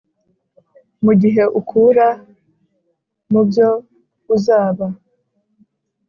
mugihe ukura mubyo uzaba.